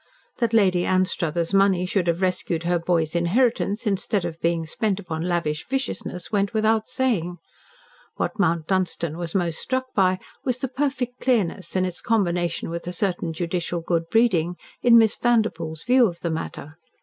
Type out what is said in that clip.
That Lady Anstruthers' money should have rescued her boy's inheritance instead of being spent upon lavish viciousness went without saying. What Mount Dunstan was most struck by was the perfect clearness, and its combination with a certain judicial good breeding, in Miss Vanderpoel's view of the matter.